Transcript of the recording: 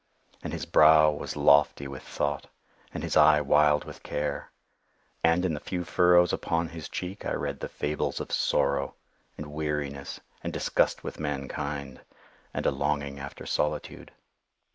And his brow was lofty with thought, and his eye wild with care; and, in the few furrows upon his cheek I read the fables of sorrow, and weariness, and disgust with mankind, and a longing after solitude.